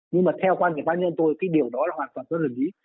nhưng mà theo quan điểm cá nhân tôi cái điều đó là hoàn toàn không cần thiết